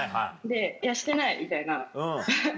「いやしてない」みたいな。